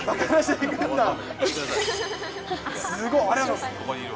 いてくだすごい、ありがとうございます。